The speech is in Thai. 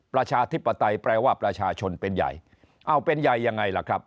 ประชาธิปไตยแปลว่าประชาชนเป็นใหญ่เอ้าเป็นใหญ่ยังไงล่ะครับ